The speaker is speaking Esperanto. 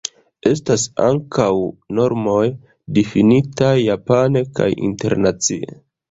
Estas ankaŭ normoj difinitaj japane kaj internacie.